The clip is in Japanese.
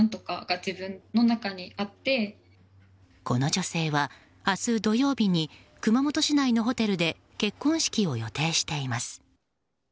この女性は明日土曜日に熊本市内のホテルで結婚式を予定しています。